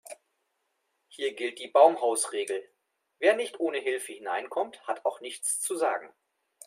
Hier gilt die Baumhausregel: Wer nicht ohne Hilfe hineinkommt, hat auch nichts zu sagen.